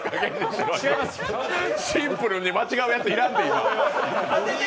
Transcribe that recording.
シンプルに間違うやついらん。